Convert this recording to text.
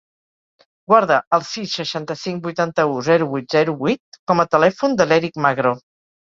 Guarda el sis, seixanta-cinc, vuitanta-u, zero, vuit, zero, vuit com a telèfon de l'Eric Magro.